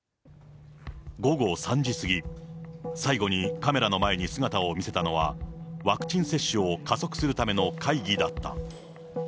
午後３時過ぎ、最後にカメラの前に姿を見せたのは、ワクチン接種を加速するための会議だった。